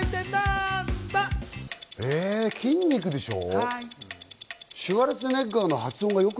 え、筋肉でしょ？